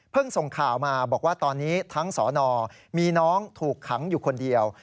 ส่งข่าวมาบอกว่าตอนนี้ทั้งสอนอมีน้องถูกขังอยู่คนเดียว